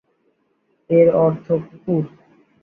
এর অর্থ কুকুর।